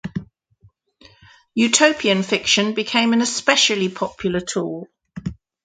Utopian fiction became an especially popular tool.